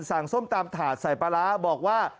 ส้มตำถาดใส่ปลาร้าบอกว่า